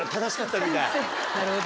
なるほど。